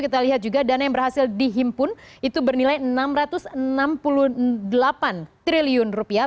kita lihat juga dana yang berhasil dihimpun itu bernilai enam ratus enam puluh delapan triliun rupiah